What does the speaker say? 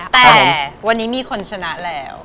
แต่วันนี้มีคนชนะแล้ว